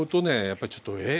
やっぱりちょっとえっ